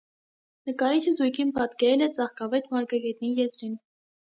Նկարիչը զույգին պատկերել է ծաղկավետ մարգագետնի եզրին։